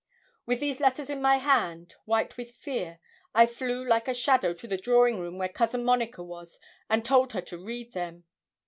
With these letters in my hand, white with fear, I flew like a shadow to the drawing room where Cousin Monica was, and told her to read them.